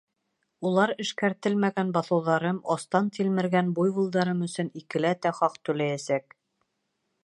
Улар эшкәртелмәгән баҫыуҙарым, астан тилмергән буйволдарым өсөн икеләтә хаҡ түләйәсәк.